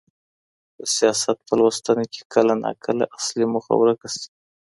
د سياست په لوستنه کي کله ناکله اصلي موخه ورکه سي.